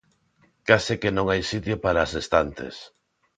Case que non hai sitio para as estantes.